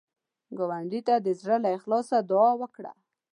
ګاونډي ته د زړه له اخلاص دعا وکړه